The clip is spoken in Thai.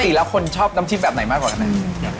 แล้วคนชอบน้ำจิ้มแบบไหนมากกว่ากันไหม